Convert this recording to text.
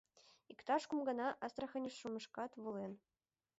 Иктаж кум гана Астраханьыш шумешкат волен.